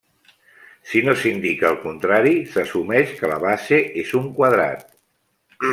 Si no s'indica el contrari, s'assumeix que la base és un quadrat.